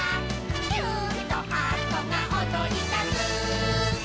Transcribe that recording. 「キューンとハートがおどりだす」